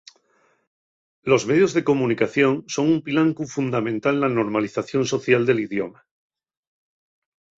Los medios de comunicación son un pilancu fundamental na normalización social del idioma.